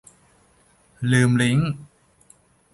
ลืมลิงก์